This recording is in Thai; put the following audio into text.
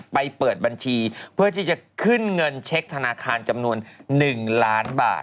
เปิดบัญชีเพื่อที่จะขึ้นเงินเช็คธนาคารจำนวน๑ล้านบาท